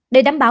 để đảm bảo